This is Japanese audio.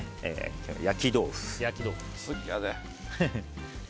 焼き豆腐。